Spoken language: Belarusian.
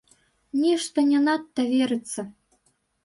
Нешта не надта верыцца.